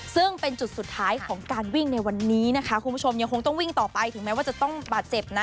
ซึ่งเป็นจุดสุดท้ายของการวิ่งในวันนี้นะคะคุณผู้ชมยังคงต้องวิ่งต่อไปถึงแม้ว่าจะต้องบาดเจ็บนะ